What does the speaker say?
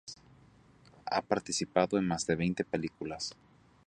Ha participado en más de veinte películas.